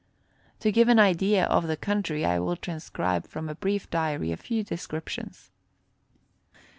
To give an idea of the country, I will transcribe from a brief diary a few descriptions.